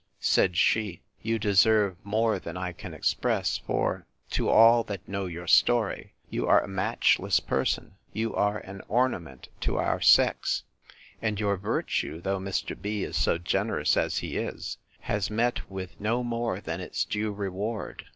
—Said she, You deserve more than I can express; for, to all that know your story, you are a matchless person. You are an ornament to our sex and your virtue, though Mr. B—— is so generous as he is, has met with no more than its due reward.